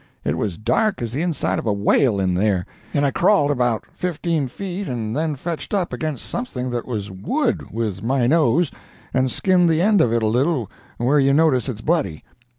It was dark as the inside of a whale in there, and I crawled about fifteen feet and then fetched up against something that was wood with my nose and skinned the end of it a little where you notice it's bloody.